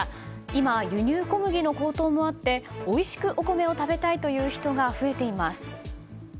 今、輸入小麦の高騰もあっておいしくお米を食べたいという人が増えています。